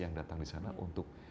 yang datang di sana untuk